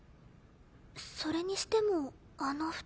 それにしてもあの２人。